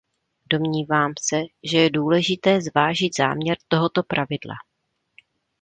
Domnívám se, že je důležité zvážit záměr tohoto pravidla.